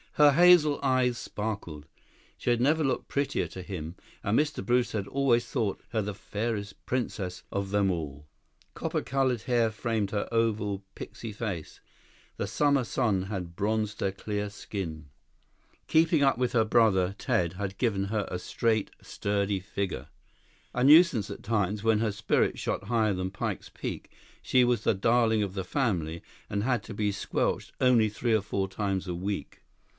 Her hazel eyes sparkled. She had never looked prettier to him, and Mr. Brewster had always thought her the fairest princess of them all. Copper colored hair framed her oval, pixie face. The summer sun had bronzed her clear skin. Keeping up with her brother Ted had given her a straight, sturdy figure. A nuisance at times, when her spirits shot higher than Pike's Peak, she was the darling of the family, and had to be squelched only three or four times a week.